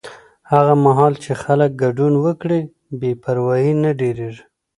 هغه مهال چې خلک ګډون وکړي، بې پروایي نه ډېریږي.